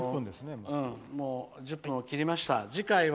１０分を切りました。